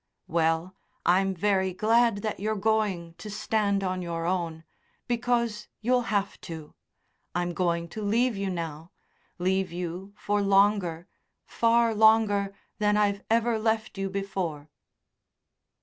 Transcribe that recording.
"Well, I'm very glad that you're going to stand on your own, because you'll have to. I'm going to leave you now leave you for longer, far longer than I've ever left you before."